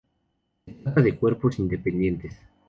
Se trata de cuerpos independientes.